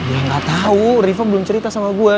ya gak tau riva belum cerita sama gue